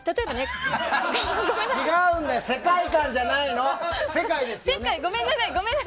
違うんだよ、世界観じゃないの。